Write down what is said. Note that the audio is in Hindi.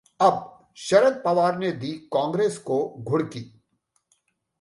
अब शरद पवार ने दी कांग्रेस को घुड़की